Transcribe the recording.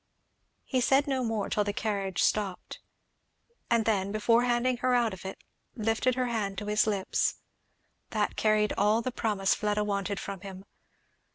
He said no more till the carriage stopped; and then before handing her out of it, lifted her hand to his lips. That carried all the promise Fleda wanted from him.